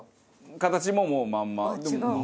形ももうまんま。